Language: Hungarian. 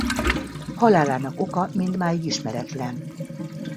Halálának oka mindmáig ismeretlen.